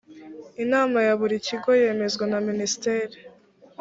inama ya buri kigo yemezwa na minisitiri